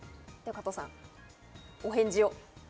加藤さん、お返事を。